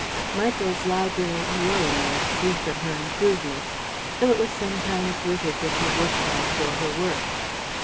Michael's library alone was free from her improvements, though it was sometimes littered with her work bags or her work.